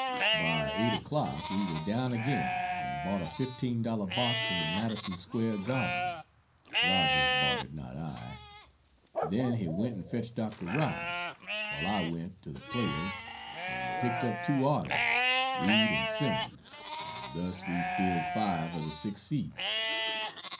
By 8 o'clock we were down again and bought a fifteen dollar box in the Madison Square Garden (Rogers bought it, not I,) then he went and fetched Dr. Rice while I (went) to the Players and picked up two artists Reid and Simmons and thus we filled 5 of the 6 seats.